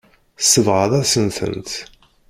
Tsebɣeḍ-asen-tent.